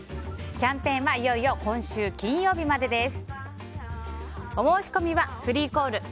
キャンペーンはいよいよ今週金曜日までです。